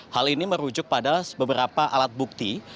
hal ini merujuk pada beberapa alat bukti